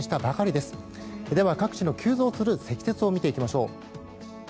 では、各地の急増する積雪を見ていきましょう。